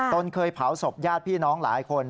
ตนเคยเผาศพญาติพี่น้องหลายคน